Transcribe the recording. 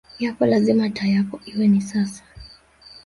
yako lazima taa yako iwe ni sasa